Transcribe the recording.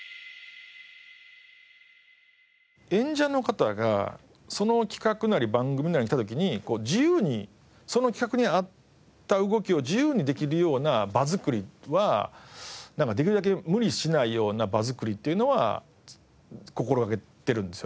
演者の方がその企画なり番組なりに来た時に自由にその企画に合った動きを自由にできるような場づくりはできるだけ無理しないような場づくりというのは心掛けているんですよね。